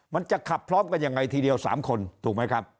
มันจะขับพร้อมกันยังไงทีเดียว๓คนถูกไหมครับ